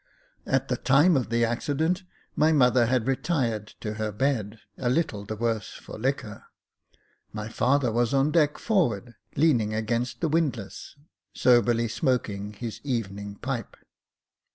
At the time of the accident, my mother had retired to her bed, a little the worse for liquor ; my father was on deck forward, leaning against the windlass, soberly smoking his evening pipe.